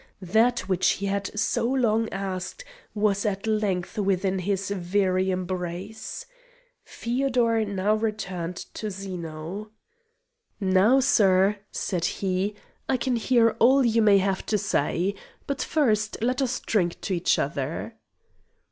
That which he had so long asked was at length within his very embrace. Feodor now returned to Zeno. "Now, sir," said he, "I can hear all you may have to say. But first let us drink to each other."